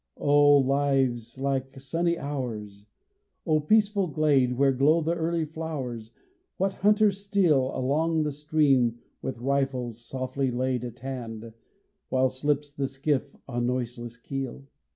Oh, lives like sunny hours! Oh, peaceful glade, Where glow the early flowers! What hunters steal Along the stream, with rifles softly laid At hand, while slips the skiff on noiseless keel?